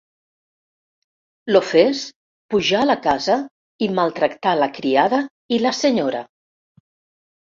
L'ofès pujà a la casa i maltractà la criada i la senyora.